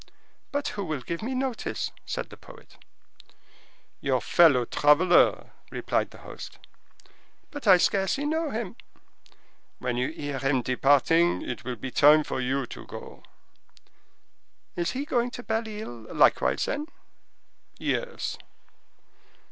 "But who will give me notice?" said the poet. "Your fellow traveler," replied the host. "But I scarcely know him." "When you hear him departing, it will be time for you to go." "Is he going to Belle Isle, likewise, then?" "Yes."